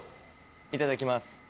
いただきます。